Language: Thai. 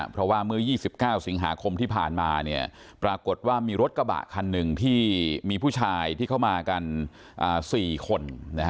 เพราะว่าเมื่อ๒๙สิงหาคมที่ผ่านมาปรากฏว่ามีรถกระบะคันหนึ่งที่มีผู้ชายที่เข้ามากัน๔คน